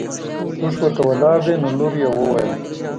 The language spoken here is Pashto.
اوښ ورته ولاړ دی نو لور یې وویل.